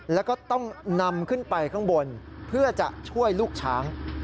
แล้วก็ต้องนำขึ้นไปข้างบนเพื่อจะช่วยลูกช้าง